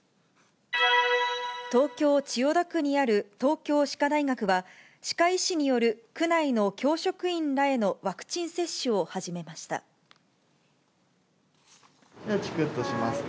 東京・千代田区にある東京歯科大学は、歯科医師による区内の教職員らへのワクチン接種を始めました。